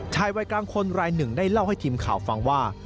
ชายวัยกลางคนรายหนึ่งได้เล่าให้ทีมข่าวฟังว่า